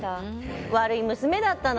悪い娘だったの！